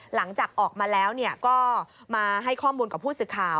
หลังจากออกมาแล้วก็มาให้ข้อมูลกับผู้สื่อข่าว